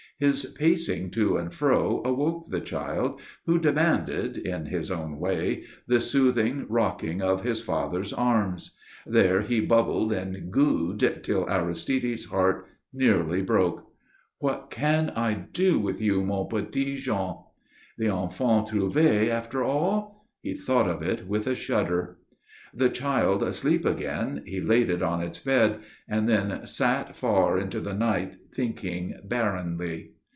His pacing to and fro awoke the child, who demanded, in his own way, the soothing rocking of his father's arms. There he bubbled and "goo'd" till Aristide's heart nearly broke. "What can I do with you, mon petit Jean?" The Enfants Trouvés, after all? He thought of it with a shudder. The child asleep again, he laid it on its bed, and then sat far into the night thinking barrenly.